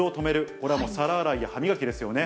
これはもう皿洗いや歯磨きですよね。